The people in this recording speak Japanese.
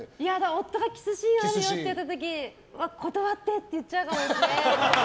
夫がキスシーンあるよって言った時は断ってって言っちゃうかも。